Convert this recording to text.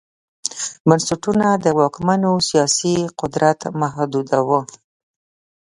بنسټونه د واکمنانو سیاسي قدرت محدوداوه